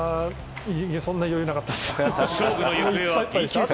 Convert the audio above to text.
そんな余裕なかったです。